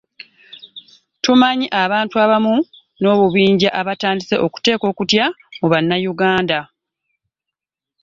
Tumanyi abantu abamu n'obubinja abatandise okuteeka okutya mu Bannayuganda